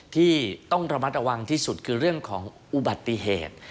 ที่ต้องระมัดระวังที่สุดคือเรื่องของอุบัติเหตุ